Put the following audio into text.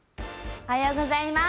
おはようございます。